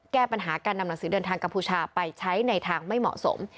แก้ปัญหาการนำหนังสือเดินทางกัมพูชาไปใช้ในทางไม่เหมาะสม